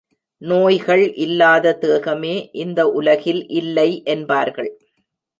நோய்கள் இல்லாத தேகமே இந்த உலகில் இல்லை என்பார்கள்.